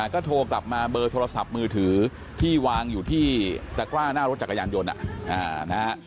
ก็โทรกลับมาเบอร์โทรศัพท์มือถือที่วางอยู่ที่ตะกร้าหน้ารถจักรยานยนต์